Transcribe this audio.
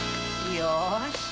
よし。